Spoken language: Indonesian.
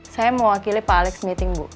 saya mewakili pak alex meeting bu